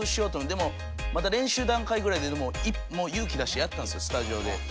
でもまだ練習段階ぐらいでもう勇気出してやったんですよスタジオで。